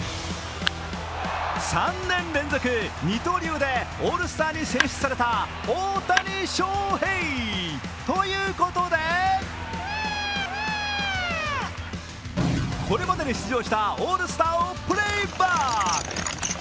３年連続二刀流でオールスターに選出された大谷翔平。ということで、これまでに出場したオールスターをプレーバック。